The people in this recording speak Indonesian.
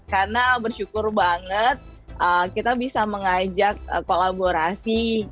karena bersyukur banget kita bisa mengajak kolaborasi